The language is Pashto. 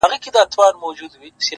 جدايي وخوړم لاليه ـ ستا خبر نه راځي ـ